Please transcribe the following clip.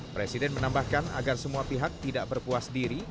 presiden menambahkan agar semua pihak tidak berpuas diri